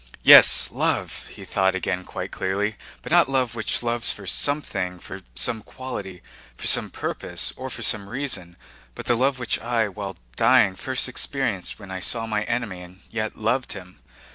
"Yes—love," he thought again quite clearly. "But not love which loves for something, for some quality, for some purpose, or for some reason, but the love which I—while dying—first experienced when I saw my enemy and yet loved him.